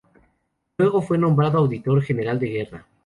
Luego fue nombrado auditor general de guerra.